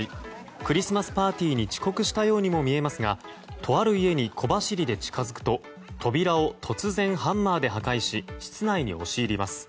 クリスマスパーティーに遅刻したようにも見えますがとある家に小走りで近づくと扉を突然ハンマーで破壊し室内に押し入ります。